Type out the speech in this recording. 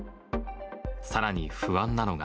さらに不安なのが。